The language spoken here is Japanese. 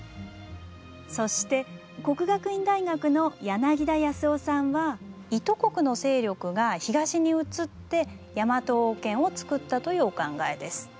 そして國學院大學の柳田康雄さんは伊都国の勢力が東に移ってヤマト王権をつくったというお考えです。